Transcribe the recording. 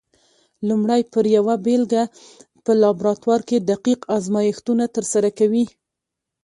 لومړی پر یوه بېلګه په لابراتوار کې دقیق ازمېښتونه ترسره کوي؟